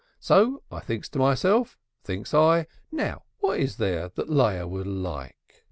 So I thinks to myself, thinks I, now what is there that Leah would like?